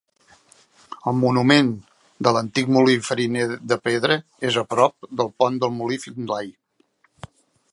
El monument de l'antic molí fariner de pedra és a prop del pont del Molí Finlay.